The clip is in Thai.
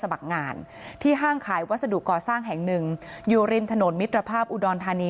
งานที่ห้างขายวัสดุก่อสร้างแห่งหนึ่งอยู่ริมถนนมิตรภาพอุดรธานี